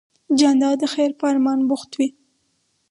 جانداد د خیر په ارمان بوخت وي.